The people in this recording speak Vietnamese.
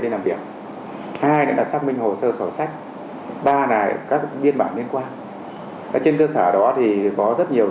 nên làm việc hai nữa là xác minh hồ sơ sổ sách ba là các biên bản liên quan trên cơ sở đó thì có rất nhiều